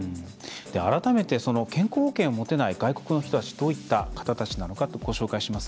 改めて健康保険を持てない外国の人たちどういった人たちかご紹介します。